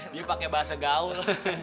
dia pakai bahasa gaul